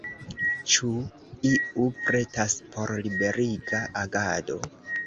Ĉu iu pretas por liberiga agado?